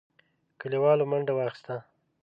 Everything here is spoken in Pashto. کليوالو منډه واخيسته.